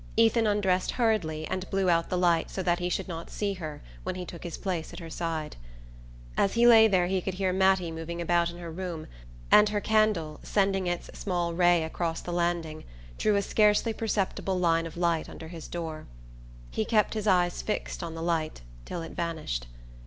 Ethan undressed hurriedly and blew out the light so that he should not see her when he took his place at her side. As he lay there he could hear Mattie moving about in her room, and her candle, sending its small ray across the landing, drew a scarcely perceptible line of light under his door. He kept his eyes fixed on the light till it vanished.